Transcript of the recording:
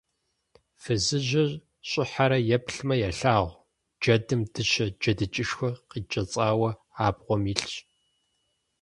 Фызыжьыр щӀыхьэрэ еплъмэ, елъагъу: джэдым дыщэ джэдыкӀэшхуэ къикӀэцӀауэ абгъуэм илъщ.